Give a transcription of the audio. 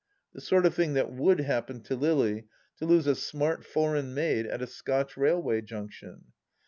The sort of thing that would happen to Lily, to lose a smart foreign maid at a Scotch railway junction